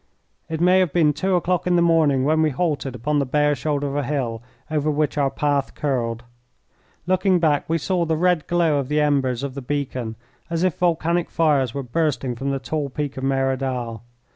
It may have been two o'clock in the morning when we halted upon the bare shoulder of a hill over which our path curled. Looking back we saw the red glow of the embers of the beacon as if volcanic fires were bursting from the tall peak of Merodal.